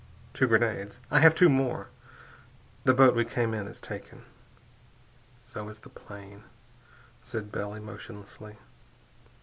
"Two grenades. I have two more. The boat we came in is taken " "So is the plane," said Bell emotionlessly.